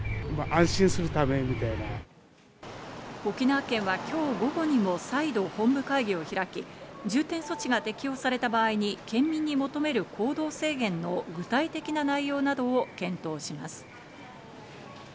沖縄県はきょう午後にも再度、本部会議を開き、重点措置が適用された場合に県民に求める行動制限の具体的な内容などを検討します。